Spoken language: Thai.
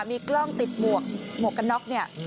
มีกล้องติดหมวกกันน็อกเนี่ย